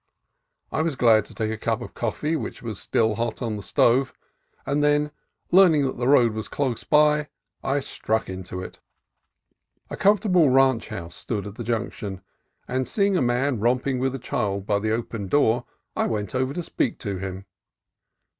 I was glad to take a cup of the coffee which was still hot on the stove ; and then, learning that the road was close by, I struck into it. A comfort able ranch house stood at the junction, and seeing a man romping with a child by the open door I went over to speak to him.